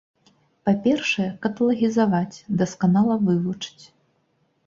Па-першае, каталагізаваць, дасканала вывучыць.